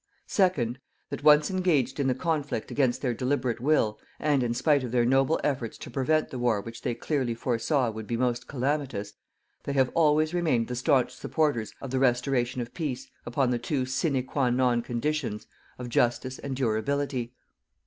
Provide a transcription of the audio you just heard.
Second, that, once engaged in the conflict against their deliberate will, and in spite of their noble efforts to prevent the war which they clearly foresaw would be most calamitous, they have always remained the staunch supporters of the RESTORATION OF PEACE upon the two sine qua non conditions of JUSTICE and DURABILITY.